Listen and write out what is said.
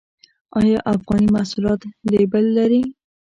آیا افغاني محصولات لیبل لري؟